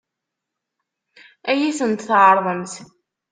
Ad iyi-tent-tɛeṛḍemt?